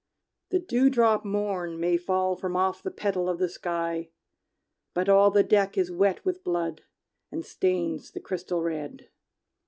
"The dewdrop morn may fall from off the petal of the sky, But all the deck is wet with blood and stains the crystal red.